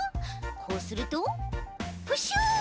こうするとプシュ！